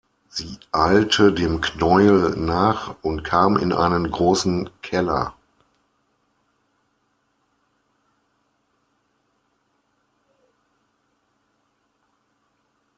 Sie eilte dem Knäuel nach und kam in einen großen Keller.